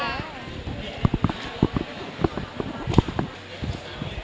สวัสดีครับ